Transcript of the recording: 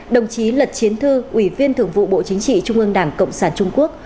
đồng chí lật chiến thư ủy viên thường vụ bộ chính trị trung ương đảng cộng sản trung quốc